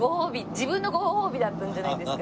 自分のご褒美だったんじゃないですか？